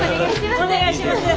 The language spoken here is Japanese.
お願いします。